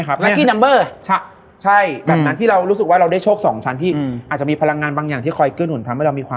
หนูได้ยินคนเดียว